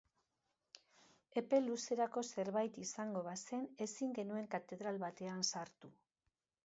Epe luzerako zerbait izango bazen ezin genuen katedral batean sartu.